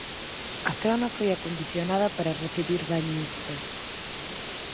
A zona foi acondicionada para recibir bañistas.